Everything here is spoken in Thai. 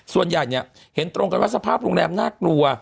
ส่วนใหญ่เนี่ยเห็นตรงกันว่าสภาพโรงแรมน่ากลัว